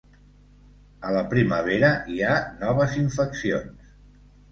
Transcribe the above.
A la primavera hi ha noves infeccions.